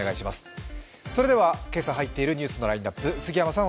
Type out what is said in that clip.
それでは今朝入っているニュースのラインナップ杉山さん